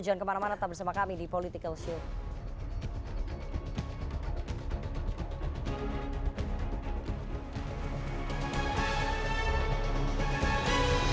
jangan kemana mana tetap bersama kami di politikalsyur